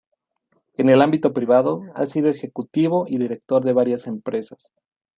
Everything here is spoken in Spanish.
En el ámbito privado ha sido ejecutivo y director de varias empresas.